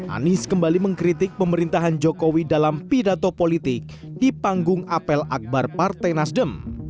anies kembali mengkritik pemerintahan jokowi dalam pidato politik di panggung apel akbar partai nasdem